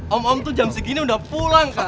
om om tuh jam segini udah pulang kali